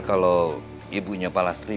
kalau ibunya pak lasri